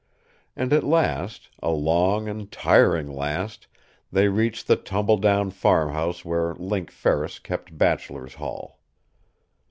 And at last, a long and tiring last, they reached the tumble down farmhouse where Link Ferris kept bachelor's hall.